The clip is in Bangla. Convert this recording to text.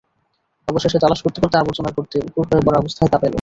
অবশেষে তালাশ করতে করতে আবর্জনার গর্তে উপুড় হয়ে পড়া অবস্থায় তা পেল।